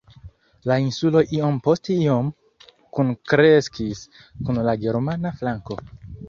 La insulo iom post iom kunkreskis kun la germana flanko.